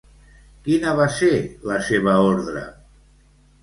Quina va ser la seva ordre?